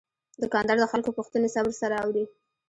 دوکاندار د خلکو پوښتنې صبر سره اوري.